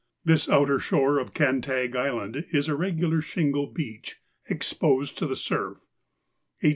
This outer shore of Kantag Island is a regular shingle beach exposed to the surf; H.